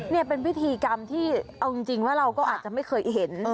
นี่เป็นพิธีกรรมที่เอาจริงว่าเราก็อาจจะไม่เคยเห็น